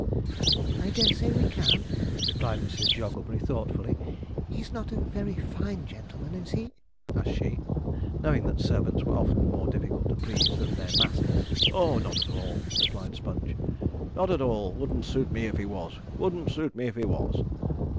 'I dare say we can,' replied Mrs. Jogglebury thoughtfully. 'He's not a very fine gentleman, is he?' asked she, knowing that servants were often more difficult to please than their masters. 'Oh, not at all,' replied Sponge; 'not at all wouldn't suit me if he was wouldn't suit me if he was.'